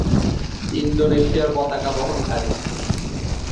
ইন্দোনেশিয়ার পতাকা বহনকারী।